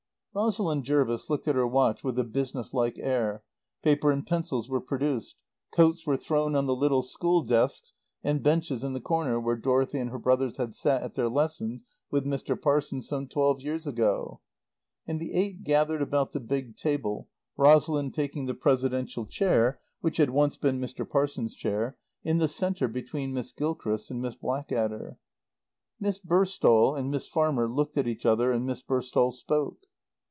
Rosalind Jervis looked at her watch with a businesslike air; paper and pencils were produced; coats were thrown on the little school desks and benches in the corner where Dorothy and her brothers had sat at their lessons with Mr. Parsons some twelve years ago; and the eight gathered about the big table, Rosalind taking the presidential chair (which had once been Mr. Parsons' chair) in the centre between Miss Gilchrist and Miss Blackadder. Miss Burstall and Miss Farmer looked at each other and Miss Burstall spoke.